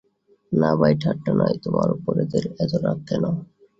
না ভাই, ঠাট্টা নয়, তোমারই উপর এদের এত রাগ কেন!